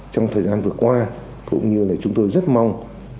trong thời gian vừa qua cũng như là chúng tôi rất mong